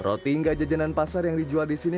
roti hingga jajanan pasar yang dijual di sini